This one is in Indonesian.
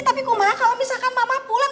tapi kok mah kalau misalkan mama pulang